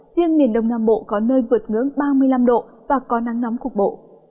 riêng miền đông nam bộ có nơi vượt ngưỡng ba mươi năm độ và có nắng nóng cục bộ